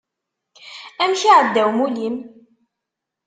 Amek iεedda umulli-m?